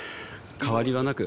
変わりはなく。